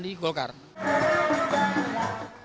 itu yang akan terjadi